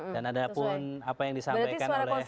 dan ada pun apa yang disampaikan oleh dokter